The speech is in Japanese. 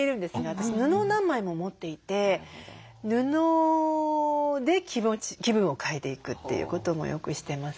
私布を何枚も持っていて布で気持ち気分を変えていくということもよくしてます。